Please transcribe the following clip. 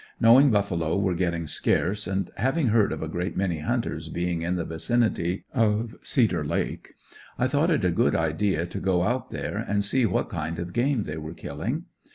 Knowing buffalo were getting scarce, and having heard of a great many hunters being in the vicinity of Ceader Lake, I thought it a good idea to go out there and see what kind of game they were killing.